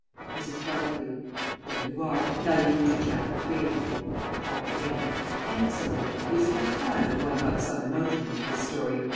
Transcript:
[Mrs. Barclay. There you are. Now you can do Chapter Three. _Hall Caine. Excellent. It is quite time that one got some emotion into this story.